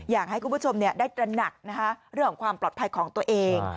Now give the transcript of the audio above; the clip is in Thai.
อยากให้คุณผู้ชมได้ตระหนักเรื่องของความปลอดภัยของตัวเอง